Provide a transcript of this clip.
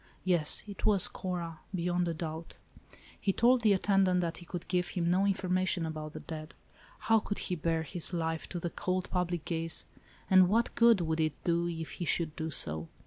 Yes, it was Cora, beyond a doubt. * He told the attendant that he could give him no information about the dead. How could he bare his life to the cold public gaze, and what good would it do if he should do so?